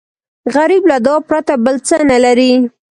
غریب له دعا پرته بل څه نه لري